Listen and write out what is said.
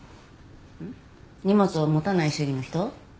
荷物を持たない主義の人？